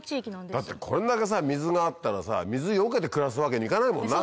だってこんだけさ水があったらさ水よけて暮らすわけにいかないもんな。